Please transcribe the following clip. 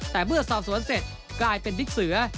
แต่เมื่อสอบสวนเสร็จกลายเป็นบิ๊กเสือ